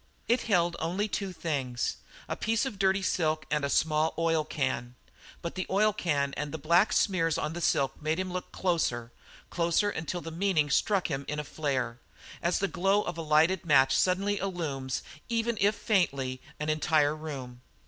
It held only two things; a piece of dirty silk and a small oil can; but the oil can and the black smears on the silk made him look closer, closer until the meaning struck him in a flare, as the glow of a lighted match suddenly illumines, even if faintly, an entire room.